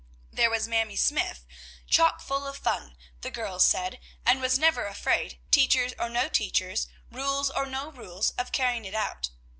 There was Mamie Smythe, "chock full of fun," the girls said, and was never afraid, teachers or no teachers, rules or no rules, of carrying it out.